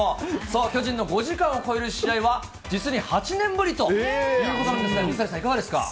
そう、巨人の５時間を超える試合は、実に８年ぶりということですが、水谷さん、いかがですか。